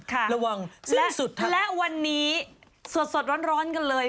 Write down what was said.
ค่ะและวันนี้สวดร้อนกันเลย